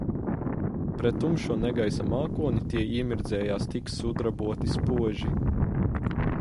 Pret tumšo negaisa mākoni tie iemirdzējās tik sudraboti spoži.